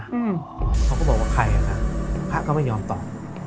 แล้วเขาก็บอกว่าใครพระก็ยอมตอบ